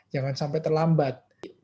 jangan sampai terlambat